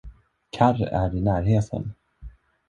Karr är i närheten.